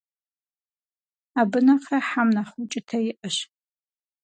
Абы нэхърэ хьэм нэхъ укӀытэ иӀэщ.